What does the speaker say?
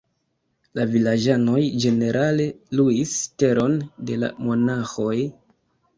La vilaĝanoj ĝenerale luis teron de la monaĥoj.